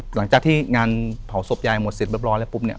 หลังจากที่งานเผาศพยายหมดเสร็จเรียบร้อยแล้วปุ๊บเนี่ย